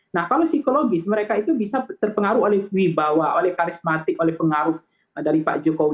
nah kalau psikologis mereka itu bisa terpengaruh oleh wibawa oleh karismatik oleh pengaruh dari pak jokowi